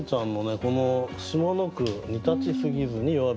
この下の句「煮立ち過ぎずに弱火過ぎずに」。